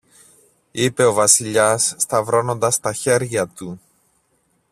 είπε ο Βασιλιάς σταυρώνοντας τα χέρια του